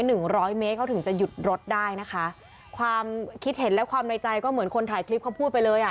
หนึ่งร้อยเมตรเขาถึงจะหยุดรถได้นะคะความคิดเห็นและความในใจก็เหมือนคนถ่ายคลิปเขาพูดไปเลยอ่ะ